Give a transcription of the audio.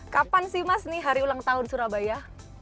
kapan sih mas hari ulang tahun surabaya